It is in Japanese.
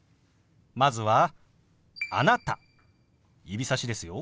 まずは「あなた」指さしですよ。